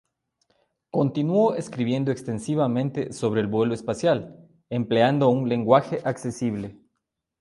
Continuó escribiendo extensivamente sobre el vuelo espacial, empleando un lenguaje accesible.